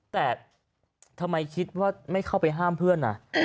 แต่ทำไมคิดว่าไม่เข้าไปห้ามเพื่อน